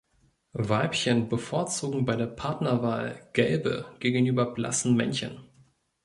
Weibchen bevorzugen bei der Partnerwahl gelbe gegenüber blassen Männchen.